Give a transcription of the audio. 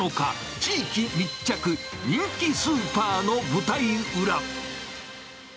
地域密着、人気スーパーの舞台裏。